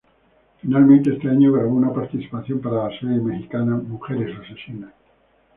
Finalmente, ese año grabó una participación para la serie mexicana "Mujeres asesinas".